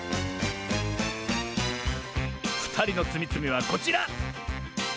ふたりのつみつみはこちら！